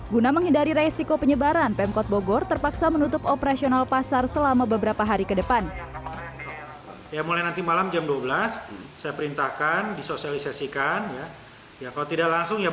guna menghindari resiko penyebaran pemkot bogor terpaksa menutup operasional pasar selama beberapa hari ke depan